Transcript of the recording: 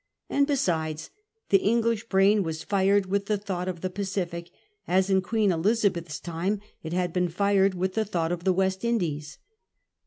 And, besides, the English brain was fired with the thought of the Pacific, as in Queen Klizabeth's time it had been fired with the thought of the West Indies.